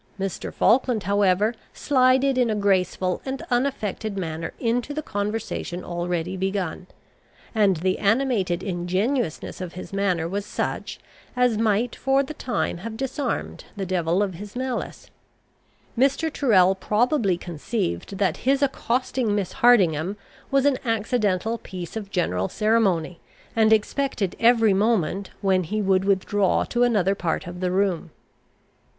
Mr. Falkland, however, slided in a graceful and unaffected manner into the conversation already begun; and the animated ingenuousness of his manner was such, as might for the time have disarmed the devil of his malice. Mr. Tyrrel probably conceived that his accosting Miss Hardingham was an accidental piece of general ceremony, and expected every moment when he would withdraw to another part of the room.